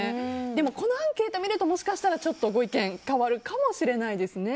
でも、このアンケートを見るともしかしたらご意見が変わるかもしれないですね。